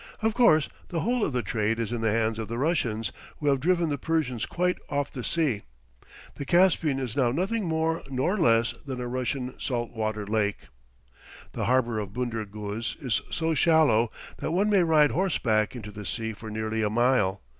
Of course, the whole of the trade is in the hands of the Russians, who have driven the Persians quite off the sea. The Caspian is now nothing more nor less than a Russian salt water lake. The harbor of Bunder Guz is so shallow that one may ride horseback into the sea for nearly a mile.